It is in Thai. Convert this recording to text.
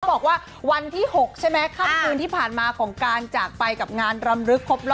บอกว่าวันที่๖ใช่ไหมค่ำคืนที่ผ่านมาของการจากไปกับงานรำลึกครบล่อ